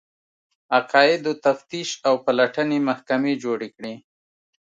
عقایدو تفتیش او پلټنې محکمې جوړې کړې